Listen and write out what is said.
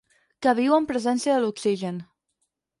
Que viu en presència de l'oxigen.